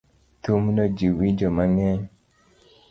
Thumno ji winjo mang'eny